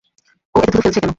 ও এতে থুথু ফেলছে কেন?